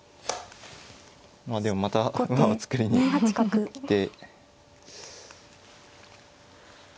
まあでもまた馬を作りに来て。